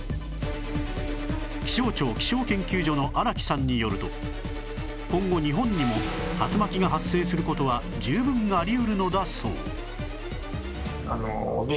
気象庁気象研究所の荒木さんによると今後日本にも竜巻が発生する事は十分あり得るのだそう